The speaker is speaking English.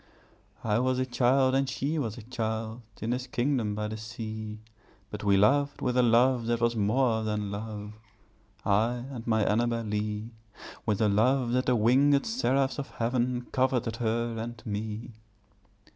I was a child and she was a child, In this kingdom by the sea, But we loved with a love that was more than love, I and my Annabel Lee; With a love that the wing├©d seraphs of heaven Coveted her and me.